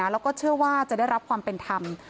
แล้วก็เชื่อว่าจะได้รับความเป็นธรรม